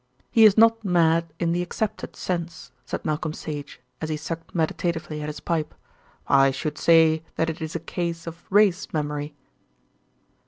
"He is not mad in the accepted sense," said Malcolm Sage as he sucked meditatively at his pipe. "I should say that it is a case of race memory."